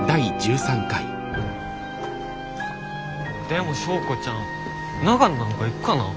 でも昭子ちゃん長野なんか行くかなあ。